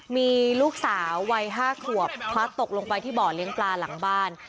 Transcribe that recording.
มีลูกสาววัย๕ขวบพลัดตกลงไปที่บ่อเลี้ยงปลาหลังบ้าน